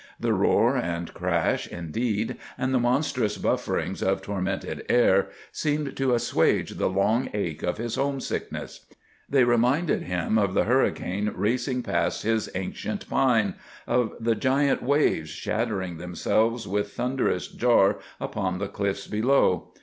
The roar and crash, indeed, and the monstrous bufferings of tormented air, seemed to assuage the long ache of his home sickness. They reminded him of the hurricane racing past his ancient pine, of the giant waves shattering themselves with thunderous jar upon the cliff below.